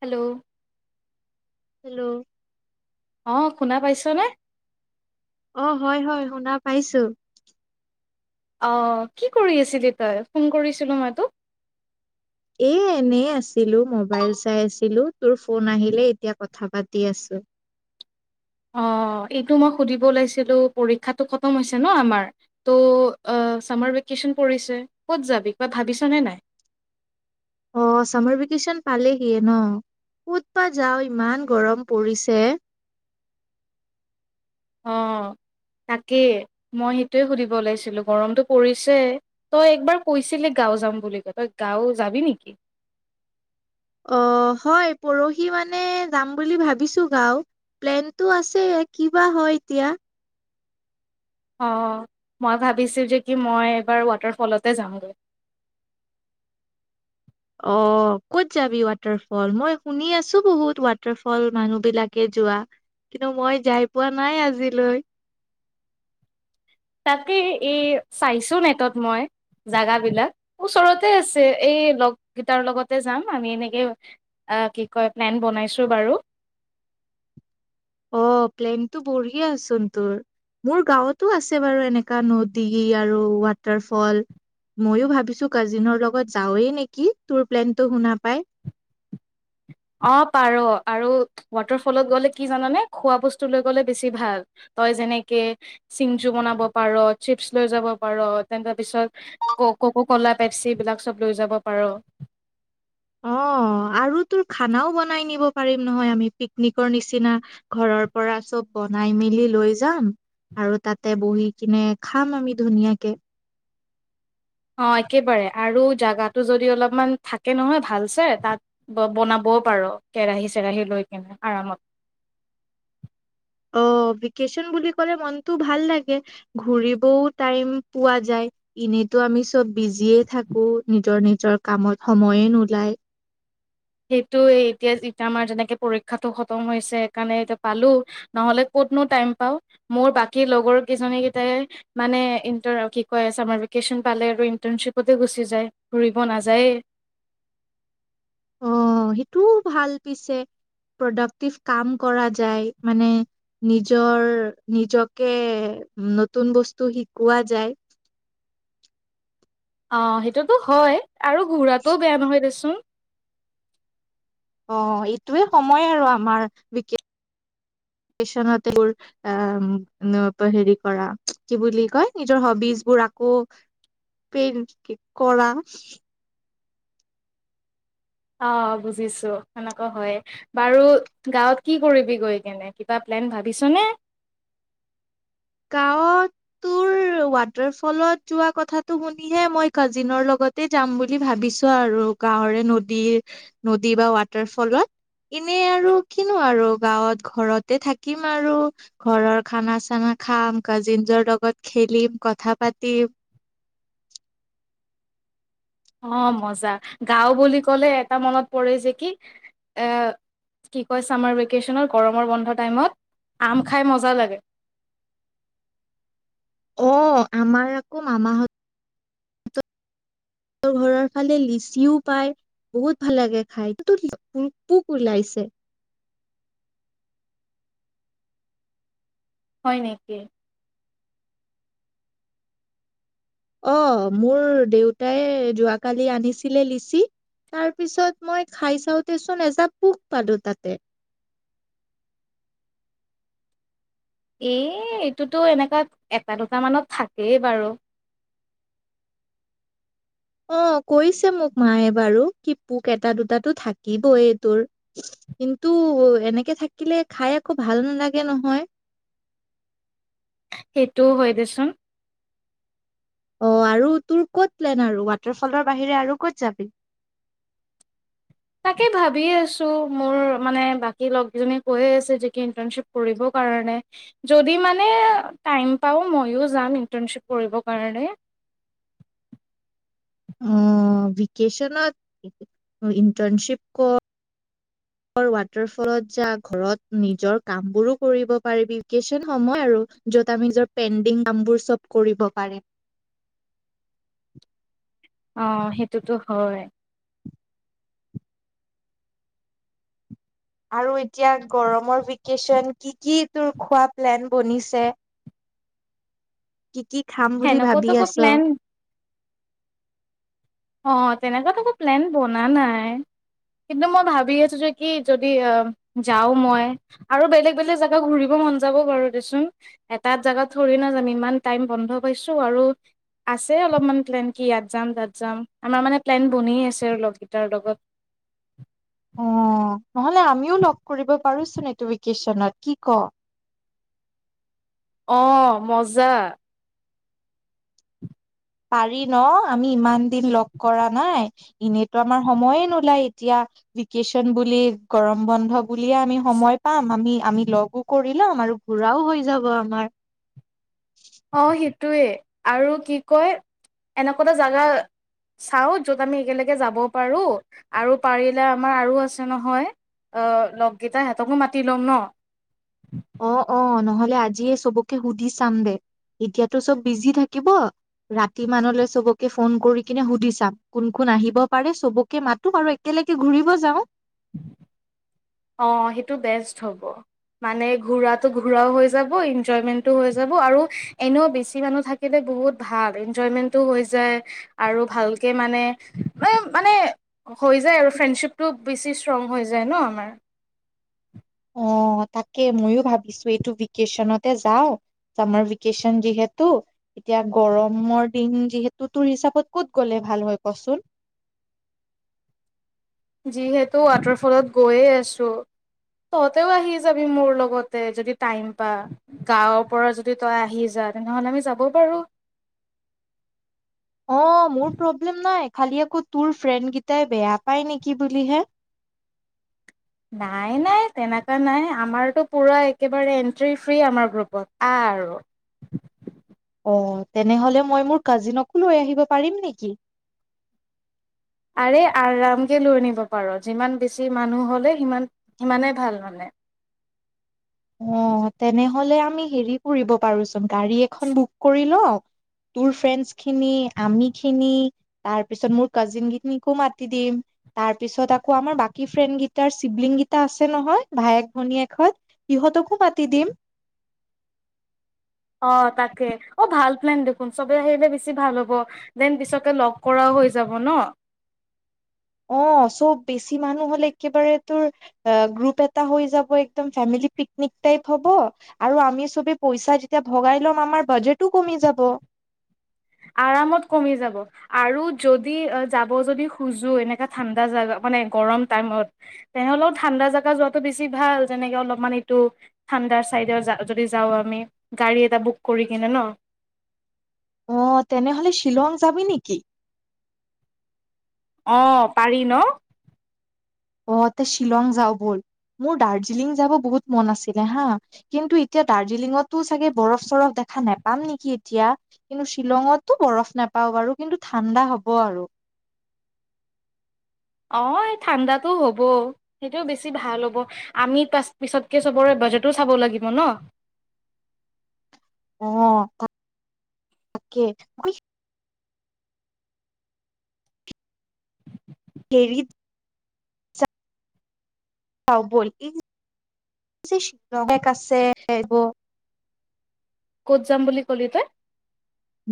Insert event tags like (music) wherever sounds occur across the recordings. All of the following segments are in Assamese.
হেল্ল' হেল্ল' অঁ শুনা পাইছ নে অ' হয় হয় শুনা পাইছো অহ কি কৰি আছিলি তই ফোন কৰিছিলো মই তোক এ এনে আছিলো মোবাইল চাই আছিলো তোৰ ফোন আহিলে এতিয়া কথা পাতি আছো অঁ এইটো মই সুধিব ওলাইছিলো পৰীক্ষাতটো খতম হৈছে ন আমাৰ ত' চামাৰ ভেকেশ্যন পৰিছে ক'ত যাবি কিবা ভাবিছোনে নাই অঃ চামাৰ ভেকেশচন পালেহিয়ে ন ক'ত পা যাও ইমান গৰম পৰিছে অ' তাকেই মই সেইটোৱে সুধিব ওলাইছিলো গৰমটো পৰিছে তই একবাৰ কৈছিলি গাঁও যাম বুলি কয় তই গাঁও যাবি নেকি? অ হয় পৰহি মানে যাম বুলি ভাবিছো গাও প্লেনতটো আছে কিবা হয় এতিয়া অ মই ভাবিছো যে কি মই এইবাৰ ৱাটাৰফলতে যামগৈ অহ কত যাবি ৱাটাৰফল মই শুনি আছো বহুত ৱাটাৰ ফল মানুহ বিলাকে যোৱা কিন্তু মই যাই পোৱা নাই আজিলৈ। তাকেই এই চাইছো নেটত মই জাগা বিলাক ওচৰতে আছে এই লগকেইটাৰ লগতে যাম আমি এনেকে আহ কি কয় প্লেন বনাইছো বাৰু অ প্লেনতটো বঢ়িয়াচোন তোৰ মোৰ গাঁৱতো আছে বাৰু এনেককা নদী আৰু ৱাটাৰফল ময়ো ভাবিছো কাজিনৰ লগত যাওঁৱেই নেকি তোৰ প্লেনটো শুনা পাই অ পাৰ আৰু ৱাটাৰফলত গলে কি জানানে খোৱা বস্তু লৈ গ'লে বেছি ভাল তই যেনেকে চিংজু বনাব পাৰ চিপছ লৈ যাব পাৰ তেনেকে পিছত ক কক' কলা পেপচি বিলাক চব লৈ যাব পাৰ অ আৰু তোৰ খানাও বনাই নিব পাৰিম নহয় আমি পিকনিকৰ নিচিনা ঘৰৰ পৰা চব বনাই মেলি লৈ যাম আৰু তাতে বহি কিনে খাম আমি ধুনীয়াকে অ একেবাৰে আৰু জাগাটো যদি অলপমান থাকে নহয় ভালছে তাত বনাবও পাৰো কেৰাহী চৰাহি লৈ কিনে আৰামত অ' ভেকেশচন বুলি কলে মনটো ভাল লাগে ঘুৰিবও টাইম পোৱা যায় এনেতো আমি চব বিজিয়ে থাকো নিজৰ নিজৰ কামত সময়ে নোলায় সেইটোৱে এতিয়া আমাৰ যেনেকে পৰীক্ষাটো খতম হৈছে সেইকাৰণে পালো নহলে ক'তনো টাইম পাও মোৰ বাকী লগৰ কেইজনী কেইটাই মানে চামাৰ ভেকেশচন পালে আৰু ইটাৰশ্বিপতে গুচি যায় ঘূৰিব নাযায়েই অঁ সেইটোও ভাল পিছে প্ৰডাক্টিভ কাম কৰা যায় মানে নিজৰ নিজকে নতুন বস্তু শিকোৱা যায় অ' সেইটোতো হয় আৰু ঘূৰাটোও বেয়া নহয় দেছোন হম অ এইটোৱে সময় আৰু আমাৰ ভেকেচন এইবোৰ হেৰি কৰা কি বুলি কয় নিজৰ হবিজ বোৰ আকৌ প্লেন কৰা অঁ বুজিছো তেনেকুৱা হয়য়ে বাৰু গাঁওত কি কৰিবি গৈ কেনে কিবা প্লেন ভাবিছোনে। গাঁৱত তোৰ ৱাটাৰ ফলত যোৱা কথাটো শুনিহে মই কাজিনৰ লগতে যাম বুলি ভাবিছো আৰু গাঁৱৰে নদীৰ নদী বা ৱাটাৰ ফলত এনে আৰু কিনো আৰু গাঁৱত ঘৰতে থাকিম আৰু ঘৰৰ খানা চানা খাম কাজিন জনৰ লগত খেলিম কথা পাতিম অঁ মজা গাও বুলি কলে এটা মনত পৰে যে কি এ কি কয় চামাৰ ভেকে্চনত গৰমৰ বন্ধ টাইমত আম খাই মজা লাগে। অ আমাৰ আকৌ মাঁমাহততৰ ঘৰৰ ফালে লিচিও পায় বহুত ভাল লাগে খাই তোক পোক ওলাইছে হয় নেকি? অ' মোৰ দেউতাই যোৱাকালি আনিছিলে লিচি তাৰপিছত মই খাই চাওঁতেচোন এজ পোক পালো তাতে এ এইটোতো এনেককা এটা দুট মানত থাকেই বাৰু। অ কৈছে মোক মায়ে বাৰু কি পোক এটা দুটাটো থাকিবই এই তোৰ কিন্তু এনেকে থাকিলে খাই আকৌ ভাল নালাগে নহয়। সেইটোও হয় দেচোন অ' আৰু তোৰ ক'ত প্লেন আৰু ৱাটাৰফলৰ বাহিৰে আৰু ক'ত যাবি। তাকে ভাবি আছো মোৰ মানে বাকী লগজনী কৈ আছে যে কি ইণ্টাৰ্ণশ্বিপ কৰিব কাৰণে যদি মানে টাইম পাওঁ মইও যাম ইন্টাৰ্ণশ্বিপ কৰিবৰ কাৰণে। হম ভেকেচনত ইণ্টাৰ্ণশ্বিপ কৰ ৱাটাৰফলত যা ঘৰত নিজৰ কামবোৰো কৰিব পাৰিবি ভেকেচন সময় আৰু যত আমি যত পেডিং কামবোৰ চব কৰিব পাৰিম। অঁ সেইটোতো হয়। আৰু এতিয়া গৰমৰ ভেকেশ্যন কি কি তোৰ খোৱা প্লেন বনিছে কি কি খাম বুলি ভাবি সেনেকুৱাতো একো আছ প্লেন অ তেনেকুৱাত একো প্লেন বনা নাই কিন্তু মই ভাবি আছোঁ যে কি যদি যাওঁ মই আৰু বেলেগ বেলেগ জেগা ঘূৰিব মন যাব বাৰু দেচোন এটা জেগাত থৰি নাযাম ইমান টাইম বন্ধ পাইছোঁ আৰু আছে অলপমান প্লেন কি ইয়াত যাম তাত যাম আমাৰ মানে প্লেন বনিয়ে আছে আৰু লগ কিতাৰ লগত অ', নহলে আমিও লগ কৰিব পাৰোচোন এইটো ভেকেশচনত কি ক অ মজা পাৰি ন আমি ইমান দিন লগ কৰা নাই এনেইতো আমাৰ সময়ে নোলায় এতিয়া ভেকেশচন বুলি গৰম বন্ধ বুলিয়ে আমি সময় পাম আমি আমি লগো কৰি লম আৰু ঘুৰাও হৈ যাব আমাৰ অ সেইটোৱেই আৰু কি কয় এনেকোৱা এটা জেগা চাওঁ য'ত আমি একেলগে যাব পাৰোঁ আৰু পাৰিলে আমাৰ আৰু আছে নহয় লগকেইটা সিহঁতকো মাতি ল'ম ন অ অ নহলে আজিয়ে চবকে সুধি চাম দে এতিয়াতো চব বিজি থাকিব ৰাতি মানলৈ চবকে ফোন কৰি কিনে সুধি চাম কোন কোন আহিব পাৰে চবকে মাতো আৰু একেলগে ঘূৰিব যাও (inaudible) অ সেইটো বেষ্ট হ'ব মানে ঘূৰাটো ঘূৰাও হৈ যাব এনজয়মেণ্টো হৈ যাব আৰু এনেও বেছি মানুহ থাকিলে বহুত ভাল এনজয়মেণ্টো হৈ যায় আৰু ভালকে মানে ম মানে হৈ যায় আৰু ফ্ৰেণ্ডশ্বিপটো বেছি ষ্ট্ৰং হৈ যায় ন আমাৰ আহ তাকেই ময়ো ভাৱিছো এইটো ভেকেশ্বনতে যাওঁ চামাৰ ভেকেশ্বন যিহেতু এতিয়া গৰমৰ দিন যিহেতু তোৰ হিচাপত কত গলে ভাল হয় কচোন যিহেতু ৱাটাৰফলত গৈয়ে আছো তহতেও আহি যাবি মোৰ লগতে যদি টাইম পা গাঁৱৰ পৰা যদি তই আহি যা তেনেহলে আমি যাব পাৰো অ মোৰ প্ৰব্লেম নাই খালি আকৌ তোৰ ফ্ৰেণ্ড কেইটাই বেয়া পায় নেকি বুলিহে নাই নাই তেনেকুৱা নাই আমাৰতো পুৰা একেবাৰে এন্ট্ৰি ফ্ৰী আমাৰ গ্ৰুপত আহ আৰু অ তেনেহলে মই মোৰ কাজিনকো লৈ আহিব পাৰিম নেকি আৰে আৰামকে লৈ আনিব পাৰ যিমান বেছি মানুহ হ'লে সিমান সিমানেই ভাল মানে অ তেনেহলে আমি হেৰি কৰিব পাৰোচোন গাড়ী এখন বুক কৰি লও তোৰ ফ্ৰেণ্ডচ খিনি আমিখিনি তাৰপিছত মোৰ কাজিনখিনিকো মাতি দিম তাৰপিছত আকৌ আমাৰ বাকী ফ্ৰেণ্ড কেইটাৰ চিবলিং কেইটা আছে নহয় ভায়েক ভনীয়েকহত ইহঁতকো মাতি দিম ন দেখোন চবে আহিলে বেছি ভাল হ'ব দেন পিছকে লগ কৰাও হৈ যাব ন অ চব বেছি মানুহ হলে একেবাৰে তোৰ গ্ৰুপ এটা হৈ যাব একদম ফেমিলি পিকনিক টাইপ হব আৰু আমি চবে পইচা যেতিয়া ভগাই ল'ম আমাৰ বাজেটো কমি যাব আৰামত কমি যাব আৰু যদি যাব যদি খুজো এনেকা ঠাণ্ডা জাগা মানে গৰম টাইমত তেনেহ'লেও ঠাণ্ডা জাগা যোৱাাতটো বেছি ভাল যেনেকে অলপমান এইটো ঠাণ্ডাৰ চাইডত য যাওঁ আমি গাড়ী এটা বুক কৰি কিনে ন অ তেনেহ'লে শ্বিলং যাবি নেকি অ পাৰি ন অ তে শ্বিলং যাওঁ বল মোৰ দাৰ্জিলিং যাব বহুত মন আছিলে হা কিন্তু এতিয়া দাৰ্জিলিঙতো চাগে বৰফ চৰফ দেখা নোপাম নেকি এতিয়া কিন্তু শ্বিলঙতো বৰফ নোপাওঁ বাৰু কিন্তু ঠাণ্ডা হব আৰু অ এই ঠাণ্ডাতটো হ'ব সেইটোও বেছি ভাল হ'ব আমি পিছতকে চবৰে বাজেটো চাব লাগিব ন অ তাকে কেৰিত ব গ (unintelligible) কত যাম বুলি কলি তই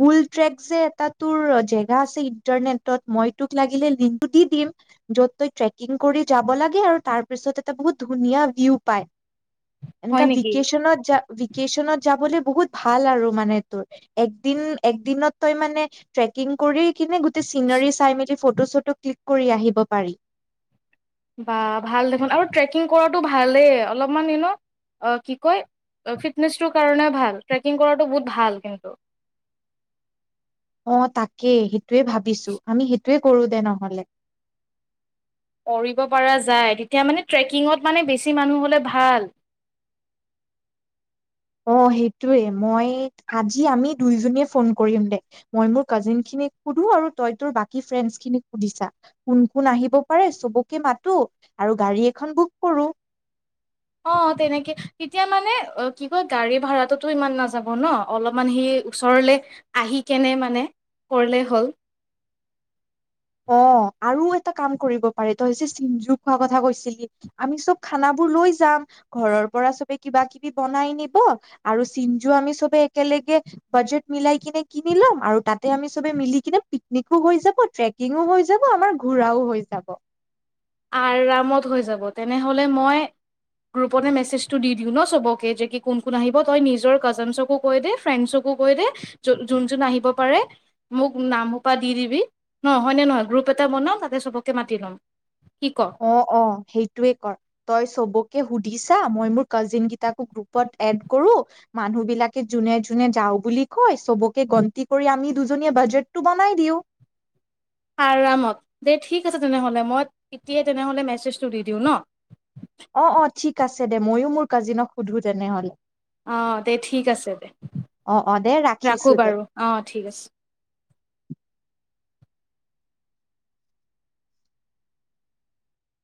বুল ট্ৰেক যে এটা তোৰ জেগা আছে ইন্টাৰনেটত মই তোক লাগিলে লিংকটো দি দিম যত তইট্ৰেকিং কৰি যাব লাগে আৰু তাৰপিছত এটা বহুত ধুনীয়া ভিউ পায় হয় এনেকা নেকি ভিকেশ্বনত যা ভিকেশ্বনত যাবলৈ বহুত ভাল আৰু মানে তোৰ একদিন একদিনত তই মানে ট্ৰেকিং কৰি কিনে গো কেই চিনাৰী চাই মেলি ফটো চটো ক্লিক কৰি আহিব পাৰি বা ভাল দেখোন আৰু ট্ৰেকিং কৰাটো ভালেই অলপমান ইনো কি কয় ফিটনেচটোৰ কাৰণে ভাল ট্ৰেকিং কৰাটো বহুত ভাল কিন্তু অ তাকেই সেইটোৱে ভাবিছো আমি সেইটোৱে কৰো দে নহলে কৰিব পৰা যায় তেতিয়া মানে ট্ৰেকিঙত মানে বেছি মানুহ হ'লে ভাল অ সেইটোৱে মই আজি আমি দুইজনীয়ে ফোন কৰিম দে মই মোৰ কাজিন খিনিক সুধো আৰু তই তোৰ বাকী ফ্ৰেণ্ডছ খিনিক সুধি চা কোন কোন আহিব পাৰে চবকে মাতো আৰু গাড়ী এখন বুক কৰো অ তেনেকে তেতিয়া মানে কি কয় গাড়ী ভাড়াটোতো ইমান নাযাব ন অলপমান সি ওচৰলে আহি কেনে মানে কৰিলে হ'ল অ আৰু এটা কাম কৰিব পাৰি তই যে চিঞ্জু খোৱাৰ কথা কৈছিলি আমি চব খানাবোৰ লৈ যাম ঘৰৰ পৰা চ কিবা কিবি বনাই নিব আৰু চিঞ্জু আমি চবে একেলগে বাজেট মিলাই কিনে কিনি লম আৰু তাতে আমি চবে মিলি কিনে পিকনিকো হৈ যাব আৰু ট্ৰেক কিঙও হৈ যাব আমাৰ ঘোৰাও হৈ যাব। আৰামত হৈ যাব তেনেহ'লে মই গ্ৰুপতে মেছেজটো দি দিওঁ ন চবকে যে কি কোন কোন আহিব তই নিজৰ কাজিনচকো কৈ দে ফ্ৰেণ্ডছকো কৈ দে যোন যোন আহিব পাৰে মোক নাম সোপা দি দিবি ন হয়নে নহয় গ্ৰুপ এটা বনাও তাতে সবকে মাতি ল'ম। কি ক অ অ সেইটোয়ে কৰ তই চবকে সুধ দিছা মই মোৰ কাজিনকেইটাকো গ্ৰুপত এড কৰোঁ মানুহবিলাকে যোনে যোনে যাওঁ বুলি কয় চবকে গন্তি কৰি আমি দুজনীয়ে বাজেটটো বনাই দিওঁ। আৰামত দেই ঠিক আছে তেনেহ'লে মই এতিয়াই তেনেহ'লে মেছেজটো দি দিওঁ ন। অ অ ঠিক দে মইও মোৰ কাজিনক সুধো তেনেহলে। অ দে ঠিক আছে দে অ অ দে ৰাখিছো ৰাখো দে বাৰু অ ঠিক আছে। (unintelligible)